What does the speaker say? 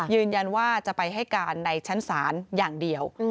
ยืนยันว่าจะไปให้การในชั้นศาลอย่างเดียว